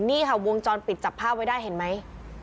นี่ค่ะวงจรปิดจับภาพไว้ได้เห็นไหม